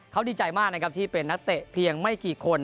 เขาดีใจมากนะครับที่เป็นนักเตะเพียงไม่กี่คน